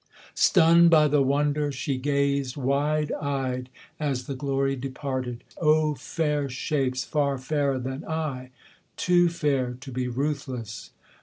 Stunned by the wonder she gazed, wide eyed, as the glory departed. 'O fair shapes! far fairer than I! Too fair to be ruthless!